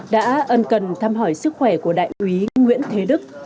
đã ân cần thăm hỏi sức khỏe của đại úy nguyễn thế đức